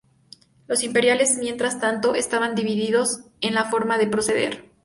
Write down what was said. Los imperiales, mientras tanto, estaban divididos en la forma de proceder.